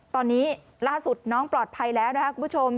ตอนนี้ล่าสุดน้องปลอดภัยแล้วนะครับคุณผู้ชม